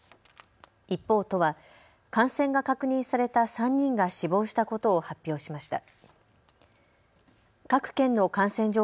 一方、都は感染が確認された３人が死亡したことを発表しました。